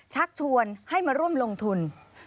ชักชวนให้มาร่วมลงทุน